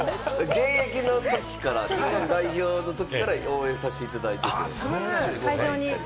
現役の代表のときから応援させていただいて。